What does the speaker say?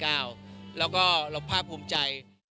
แล้วก็เราภาคภูมิใจ